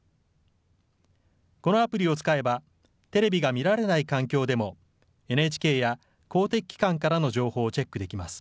このアプリを使えば、テレビが見られない環境でも、ＮＨＫや公的機関からの情報をチェックできます。